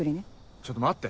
ちょっと待って。